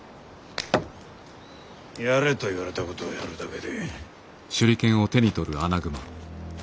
やれと言われたことをやるだけで。